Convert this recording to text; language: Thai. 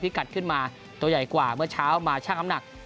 กัดขึ้นมาตัวใหญ่กว่าเมื่อเช้ามาช่างน้ำหนัก